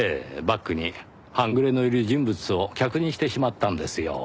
バックに半グレのいる人物を客にしてしまったんですよ。